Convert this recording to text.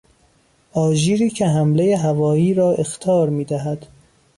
آژیری که حملهی هوایی را اخطار میدهد